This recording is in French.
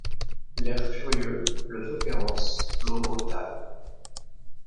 L’air furieux, le feu féroce, l’eau brutale ;